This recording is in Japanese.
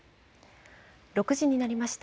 ６時になりました。